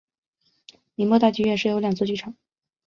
宁波大剧院设有两座剧场。